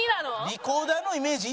リコーダーのイメージ